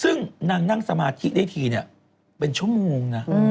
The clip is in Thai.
ซึ่งนางนั่งสมาธิได้ทีเนี่ยเป็นชั่วโมงนะ